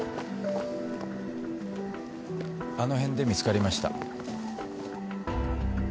あの辺で見つかりました。